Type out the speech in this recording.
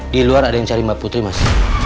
di luar ada yang cari mbak putri mas